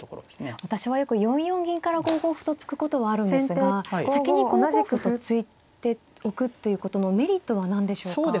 私はよく４四銀から５五歩と突くことはあるんですが先に５五歩と突いておくということのメリットは何でしょうか。